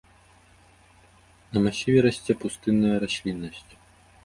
На масіве расце пустынная расліннасць.